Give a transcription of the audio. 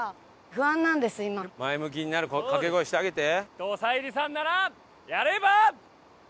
前向きになる掛け声してあげて。